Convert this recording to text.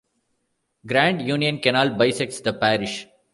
The Grand Union Canal bisects the parish.